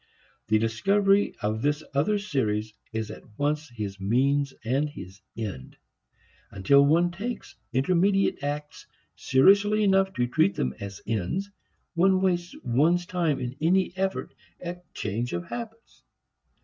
The discovery of this other series is at once his means and his end. Until one takes intermediate acts seriously enough to treat them as ends, one wastes one's time in any effort at change of habits.